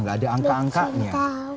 gak ada angka angkanya